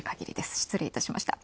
失礼いたしました。